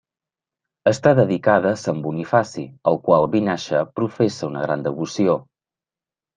Està dedicada a Sant Bonifaci, al qual Vinaixa professa una gran devoció.